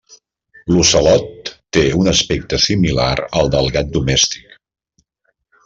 L'ocelot té un aspecte similar al del gat domèstic.